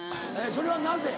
それはなぜ？